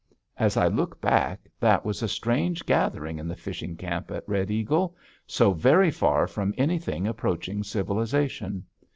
As I look back, that was a strange gathering at the fishing camp at Red Eagle so very far from anything approaching civilization.